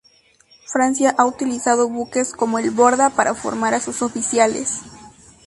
Francia ha utilizado buques como el "Borda" para formar a sus oficiales.